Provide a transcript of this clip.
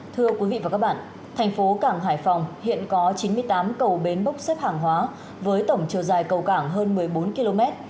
thưa quý vị và các bạn thành phố cảng hải phòng hiện có chín mươi tám cầu bến bốc xếp hàng hóa với tổng chiều dài cầu cảng hơn một mươi bốn km